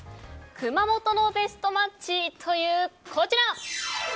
熊本のベストマッチ、こちら。